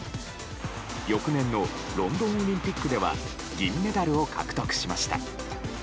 翌年のロンドンオリンピックでは銀メダルを獲得しました。